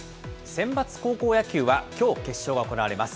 センバツ高校野球は、きょう、決勝が行われます。